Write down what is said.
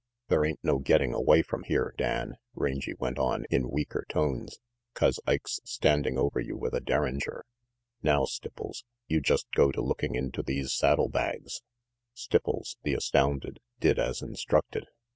"There ain't no getting away from here, Dan," Rangy went on, in weaker tones, ' 'cause Ike's standing over you with a derringer. Now, Stipples, you just go to looking into these saddle bags Stipples, the astounded, did as instructed.